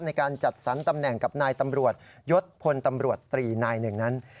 ในการจัดสรรตำแหน่งกับนายตำรวจยศพลตำรวจตรีนายหนึ่งนั้น